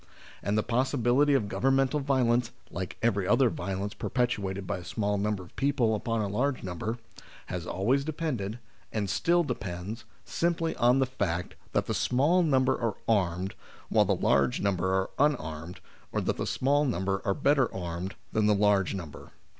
And the possibility of governmental violence, like every other violence perpetrated by a small number of people upon a larger number, has always depended, and still depends, simply on the fact that the small number are armed, while the large number are unarmed, or that the small number are better armed than the large number.